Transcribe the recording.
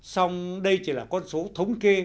xong đây chỉ là con số thống kê